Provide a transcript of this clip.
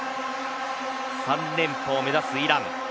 ３連覇を目指すイラン。